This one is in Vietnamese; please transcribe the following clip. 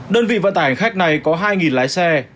đơn vị vận tải hành khách này có hai lái xe